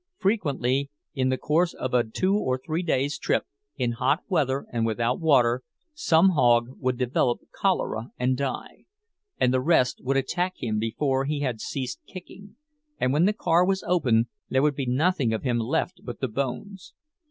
Frequently, in the course of a two or three days' trip, in hot weather and without water, some hog would develop cholera, and die; and the rest would attack him before he had ceased kicking, and when the car was opened there would be nothing of him left but the bones.